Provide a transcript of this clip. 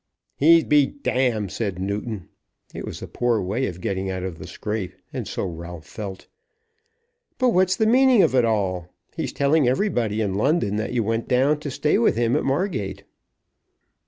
"He be d !" said Newton. It was a poor way of getting out of the scrape, and so Ralph felt. "But what's the meaning of it all? He's telling everybody about London that you went down to stay with him at Margate."